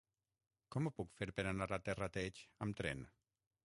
Com ho puc fer per anar a Terrateig amb tren?